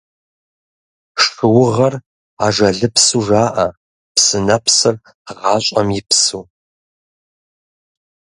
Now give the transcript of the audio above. Шыугъэр ажалыпсу жаӀэ, псынэпсыр – гъащӀэм и псыу.